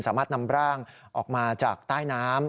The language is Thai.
สามารถนำร่างออกมาจากใต้น้ำ